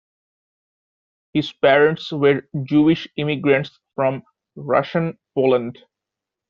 His parents were Jewish immigrants from Russian Poland.